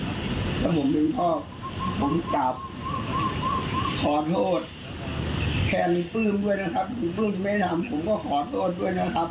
แทนปื้มด้วยนะครับผมปื้มไม่ทำผมก็ขอโทษด้วยนะครับ